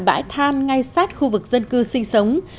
bãi than ngay sát khu vực dân cư sinh sống